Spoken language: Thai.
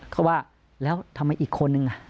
เขาว่าแล้วทำไมอีกคนนึง